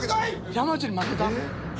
山内に負けた？